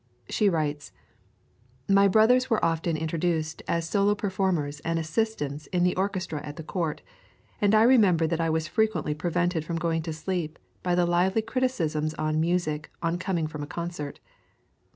She writes: "My brothers were often introduced as solo performers and assistants in the orchestra at the Court, and I remember that I was frequently prevented from going to sleep by the lively criticisms on music on coming from a concert.